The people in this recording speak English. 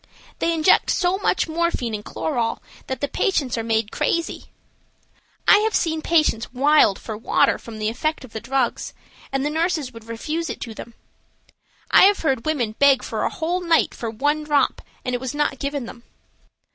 "They inject so much morphine and chloral that the patients are made crazy. I have seen the patients wild for water from the effect of the drugs, and the nurses would refuse it to them. I have heard women beg for a whole night for one drop and it was not given them.